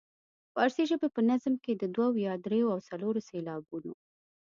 فارسي ژبې په نظم کې د دوو یا دریو او څلورو سېلابونو.